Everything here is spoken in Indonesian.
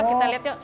yuk kita lihat yuk